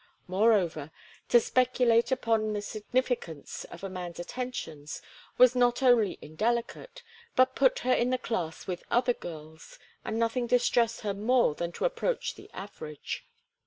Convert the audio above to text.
Moreover, to speculate upon the significance of a man's attentions was not only indelicate but put her in the class with other girls, and nothing distressed her more than to approach the average.